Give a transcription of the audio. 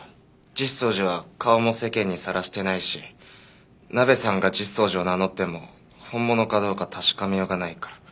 実相寺は顔も世間にさらしてないしナベさんが実相寺を名乗っても本物かどうか確かめようがないから。